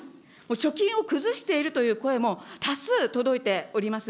貯金を崩しているという声も多数届いております。